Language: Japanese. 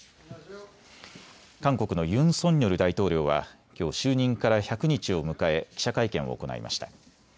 韓国のユン・ソンニョル大統領はきょう、就任から１００日を迎え記者会見を行いました。